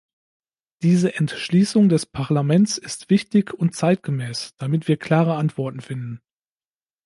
Diese Entschließung des Parlaments ist wichtig und zeitgemäß, damit wir klare Antworten finden.